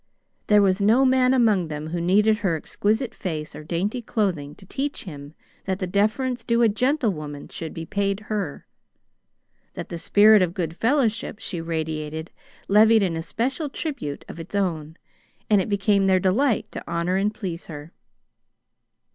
There was no man among them who needed her exquisite face or dainty clothing to teach him that the deference due a gentlewoman should be paid her. That the spirit of good fellowship she radiated levied an especial tribute of its own, and it became their delight to honor and please her.